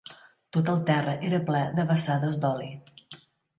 Tot el terra era ple de vessades d'oli.